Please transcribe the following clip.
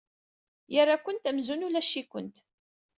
Yerra-kent amzun ulac-ikent.